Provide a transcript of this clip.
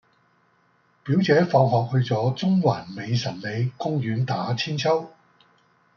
表姐放學去左中環美臣里公園打韆鞦